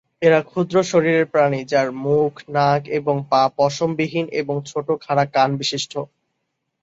এরা ক্ষুদ্র-শরীরের প্রাণী যার মুখ, নাক এবং পা পশম বিহীন এবং ছোট খাড়া কান বিশিষ্ট।